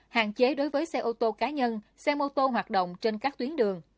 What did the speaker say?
hạn chế đối với xe ô tô cá nhân xe mô tô hoạt động trên các tuyến đường